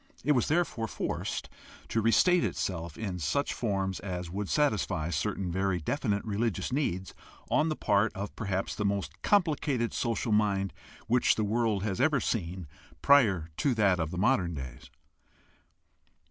It was therefore forced to restate itself in such forms as would satisfy certain very definite religious needs on the part of perhaps the most complicated social mind which the world has ever seen prior to that of modern days.